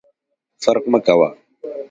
فرق مه کوه !